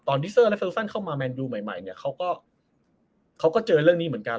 ดิเซอร์และเซลซันเข้ามาแมนยูใหม่เนี่ยเขาก็เขาก็เจอเรื่องนี้เหมือนกัน